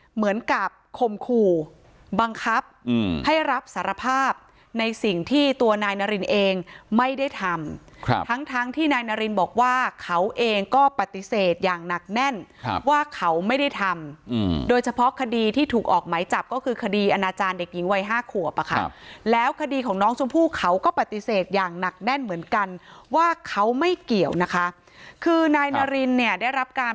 เหมือนกับคมขู่บังคับให้รับสารภาพในสิ่งที่ตัวนายนารินเองไม่ได้ทำครับทั้งทั้งที่นายนารินบอกว่าเขาเองก็ปฏิเสธอย่างหนักแน่นว่าเขาไม่ได้ทำโดยเฉพาะคดีที่ถูกออกไหมจับก็คือคดีอนาจารย์เด็กหญิงวัย๕ขวบอะค่ะแล้วคดีของน้องชมพู่เขาก็ปฏิเสธอย่างหนักแน่นเหมือนกันว่าเขาไม่เกี่ยวนะคะคือนายนารินเนี่ยได้รับการ